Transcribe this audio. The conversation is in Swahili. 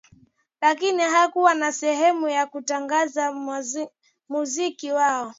Lakini hawakuwa na sehemu ya kuutangaza muziki wao